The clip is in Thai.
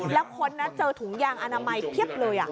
แล้วคนนั้นเจอถุงยางอนามัยเพียบเลย